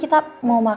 tidak ada masalah